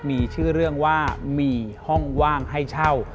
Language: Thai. มีชื่อเรื่องว่ามีห้องว่างให้เช่า